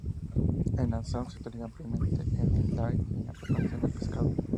En Assam se utiliza ampliamente en dal y en la preparación de pescado.